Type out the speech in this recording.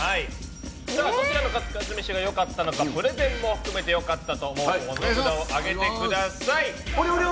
どちらのカツカツ飯が良かったのか、プレゼンも含めて良かったと思うほうの札を上げてください。